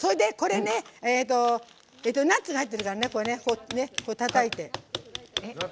ナッツが入ってるからたたいて。